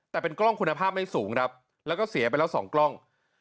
แต่เป็นกล้องคุณภาพไม่สูงครับแล้วก็เสียไปแล้ว๒กล้อง